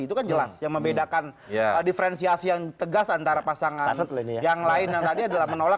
itu kan jelas yang membedakan diferensiasi yang tegas antara pasangan yang lain yang tadi adalah menolak